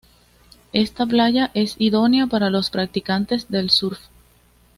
Esta playa es idónea para los practicantes del surf.